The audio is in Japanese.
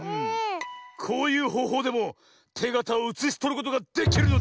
こういうほうほうでもてがたをうつしとることができるのだ。